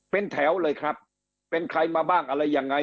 เป็นแถวเลยครับเป็นใครมาบ้างอะไรยังไง